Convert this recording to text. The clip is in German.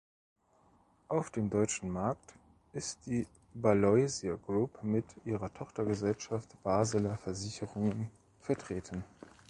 Auf dem deutschen Markt ist die Baloise Group mit ihrer Tochtergesellschaft "Basler Versicherungen" vertreten.